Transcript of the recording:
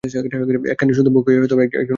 একখানি সুন্দর মুখ দেখিয়া একজন উন্মত্ত হইল।